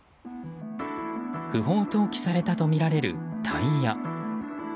不法投棄されたとみられるタイヤ。